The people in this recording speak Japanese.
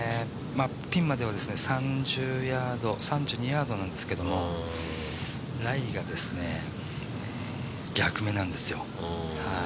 ピンまでは３２ヤードなんですけどライが逆目なんですよ。